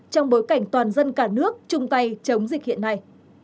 trong bối cảnh toàn dân cả nước chung tay chống dịch hiện nay